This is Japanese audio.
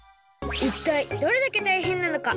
いったいどれだけたいへんなのか？